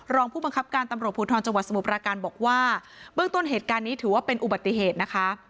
รองผู้บังคับการตำรวจภูทรจังหวัดสมุทราการบอกว่าเบื้องต้นเหตุการณ์นี้ถือว่าเป็นอุบัติเหตุนะคะ